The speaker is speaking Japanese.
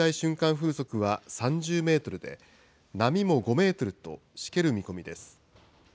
風速は３０メートルで、波も５メートルと、しける見込みです。